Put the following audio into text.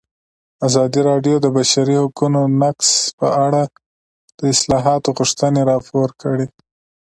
ازادي راډیو د د بشري حقونو نقض په اړه د اصلاحاتو غوښتنې راپور کړې.